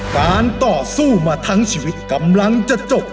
การต่อสู้มาทั้งชีวิตกำลังจะจบ